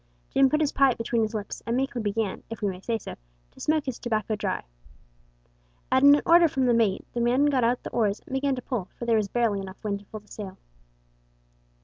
Jim put his pipe between his lips, and meekly began, if we may say so, to smoke his tobacco dry. At an order from the mate the men got out the oars and began to pull, for there was barely enough wind to fill the sail.